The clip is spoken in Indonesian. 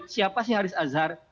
siapa sih haris azhar